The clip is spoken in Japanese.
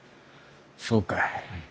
そうかい。